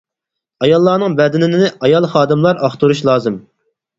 ئاياللارنىڭ بەدىنىنى ئايال خادىملار ئاختۇرۇشى لازىم.